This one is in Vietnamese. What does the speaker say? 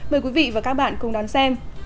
mời quý vị và các bạn cùng đón xem